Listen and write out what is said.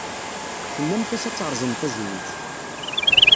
Tennamt-as ad terẓem tazewwut.